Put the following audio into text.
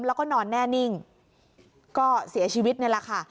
แล้วก็นอนแน่นิ่งก็เสียชีวิตนี่แหละค่ะ